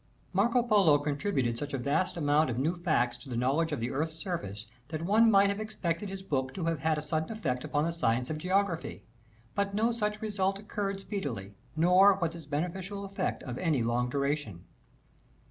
79. Marco Polo contributed such a vast amount of new facts to the knowledge of the Earth's surface, that ^,°' 1 ardy opera one might have expected his book to have had a "°"'^"'^ o r causes sudden effect upon the Science of Geography : but thereof. no such result occurred speedily, nor was its beneficial effect of any long duration.